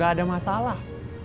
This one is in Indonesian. gak ada masalah